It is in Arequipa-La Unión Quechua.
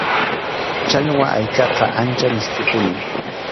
Challwa aychaqa ancha miskʼipunim.